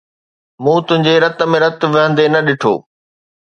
مون تنهنجي رت ۾ رت وهندي نه ڏٺو